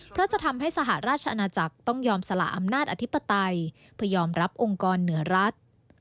เพราะจะทำให้สหราชอาณาจักรต้องยอมสละอำนาจอธิปไตยเพื่อยอมรับองค์กรเหนือรัฐ